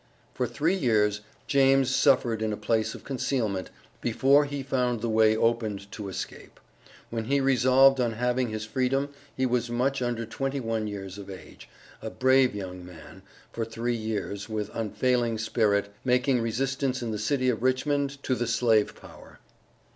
For three years James suffered in a place of concealment, before he found the way opened to escape. When he resolved on having his freedom he was much under twenty one years of age, a brave young man, for three years, with unfailing spirit, making resistance in the city of Richmond to the slave Power!